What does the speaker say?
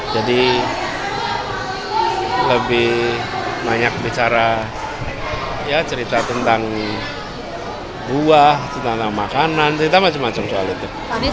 jadi lebih banyak bicara ya cerita tentang buah tentang makanan cerita macam macam soal itu